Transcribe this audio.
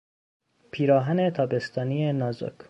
پیراهن تابستانی نازک